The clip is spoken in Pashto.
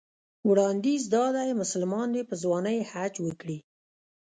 وړاندیز دا دی مسلمان دې په ځوانۍ حج وکړي.